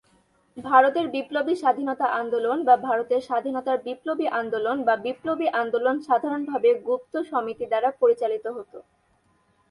ভারতের বিপ্লবী স্বাধীনতা আন্দোলন বা ভারতের স্বাধীনতার বিপ্লবী আন্দোলন বা বিপ্লবী আন্দোলন সাধারণ ভাবে গুপ্ত সমিতি দ্বারা পরিচালিত হতো।